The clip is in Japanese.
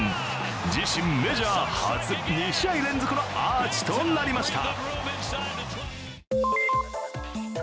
自身メジャー初、２試合連続のアーチとなりました。